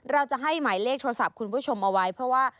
เราจะให้หมายเลขโทรศัพท์คุณผู้ชมเอาไว้เพราะว่า